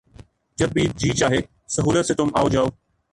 جب بھی جی چاہے سہولت سے تُم آؤ جاؤ